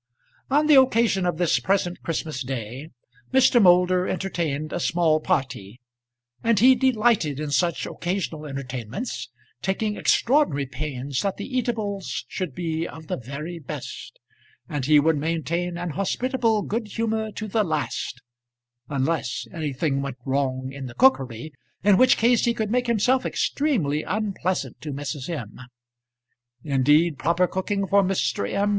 On the occasion of this present Christmas day Mr. Moulder entertained a small party. And he delighted in such occasional entertainments, taking extraordinary pains that the eatables should be of the very best; and he would maintain an hospitable good humour to the last, unless anything went wrong in the cookery, in which case he could make himself extremely unpleasant to Mrs. M. Indeed, proper cooking for Mr. M.